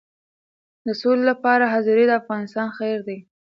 د سولې لپاره حاضري د افغانستان خیر دی.